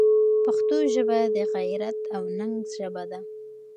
پښتو ژبه د غیرت او ننګ ژبه ده.